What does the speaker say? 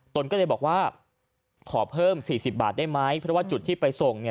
ตนก็เลยบอกว่าขอเพิ่มสี่สิบบาทได้ไหมเพราะว่าจุดที่ไปส่งเนี่ย